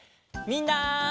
みんな！